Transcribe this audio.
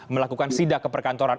melakukan jidah ke perkantoran